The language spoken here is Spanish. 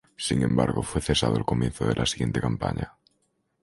Sin embargo, fue cesado al comienzo de la siguiente campaña.